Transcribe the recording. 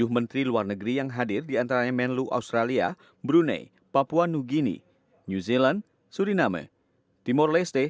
tujuh menteri luar negeri yang hadir diantaranya menlu australia brunei papua new guinea new zealand suriname timor leste